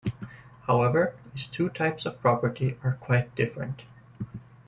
However, these two types of property are quite different.